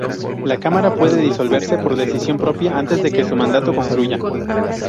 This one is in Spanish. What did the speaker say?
La Cámara puede disolverse por decisión propia antes de que su mandato concluya.